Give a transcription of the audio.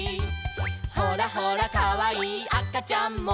「ほらほらかわいいあかちゃんも」